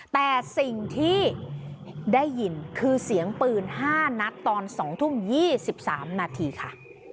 แต่สิ่งที่ได้ยินคือเสียงปืน๕นัดตอน๒ทุ่ม๒๓นาทีค่ะ